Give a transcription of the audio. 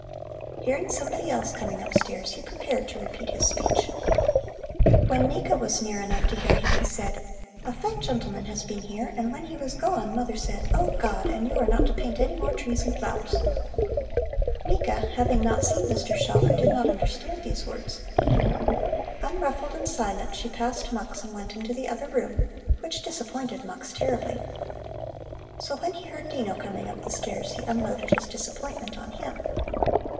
Hearing somebody else coming upstairs, he prepared to repeat his speech. When Nika was near enough to hear him he said: "A fat gentleman has been here, and when he was gone mother said: 'Oh God!' and you are not to paint any more trees and flowers." Nika, not having seen Mr. Schaller, did not understand these words. Unruffled and silent, she passed Mux and went into the other room, which disappointed Mux terribly. So when he heard Dino coming up the stairs, he unloaded his disappointment on him.